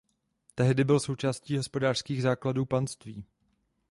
Tehdy byl součástí hospodářských základů panství.